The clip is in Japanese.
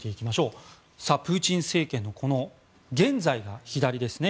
プーチン政権の現在が左ですね。